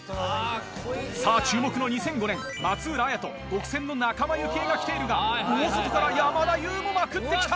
さぁ注目の２００５年松浦亜弥と『ごくせん』の仲間由紀恵が来ているが大外から山田優もまくって来た！